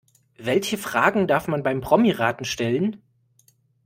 Welche Fragen darf man beim Promiraten stellen?